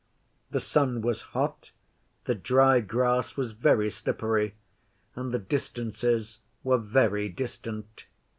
The sun was hot, the dry grass was very slippery, and the distances were very distant.